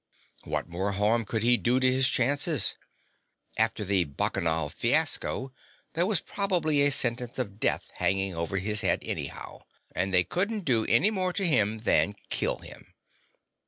What more harm could he do to his chances? After the Bacchanal fiasco, there was probably a sentence of death hanging over his head anyhow. And they couldn't do any more to him than kill him.